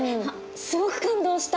すごく感動した！